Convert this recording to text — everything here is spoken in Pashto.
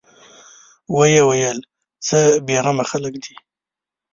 ويې ويل: څه بېغمه خلک دي.